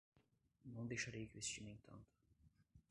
Não deixarei que o estimem tanto